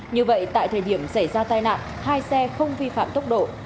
như vậy tại thời điểm xảy ra tai nạn hai xe không vi phạm tốc độ